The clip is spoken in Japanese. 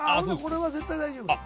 これは絶対大丈夫。